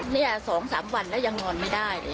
เนี้ยสองสามวันแล้วยังงอนไม่ได้